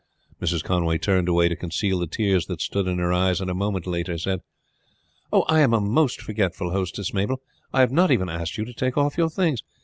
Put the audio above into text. Mrs. Conway turned away to conceal the tears that stood in her eyes, and a moment later said: "I am a most forgetful hostess, Mabel. I have not even asked you to take off your things.